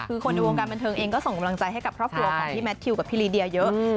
คือคนในวงการบันเทิงเองก็ส่งกำลังใจให้กับครอบครัวของพี่แมททิวกับพี่ลีเดียเยอะ